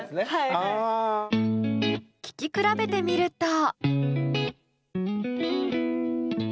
聴き比べてみると。